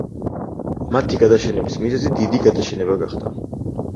მათი გადაშენების მიზეზი დიდი გადაშენება გახდა.